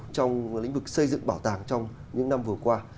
trong lĩnh vực xây dựng bảo tàng trong những năm vừa qua